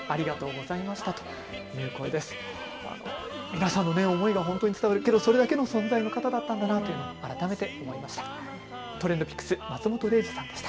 皆さんの思いが本当に伝わる、けどそれだけの存在の方だったんだなと改めて思いました。